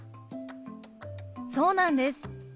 そうなんです。